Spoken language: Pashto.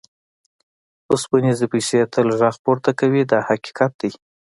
اوسپنیزې پیسې تل غږ پورته کوي دا حقیقت دی.